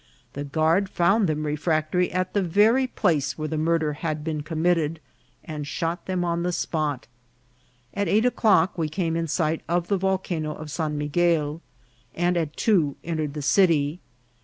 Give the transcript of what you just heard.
The guard found them re fractory at the very place where the murder had been committed, and shot them on the spot. At eight o'clock we came in sight of the Volcano of San Miguel, and at two entered the city.